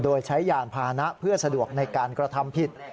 โดยใช้ยานพานะเพื่อสะดวกในการกระทำผิด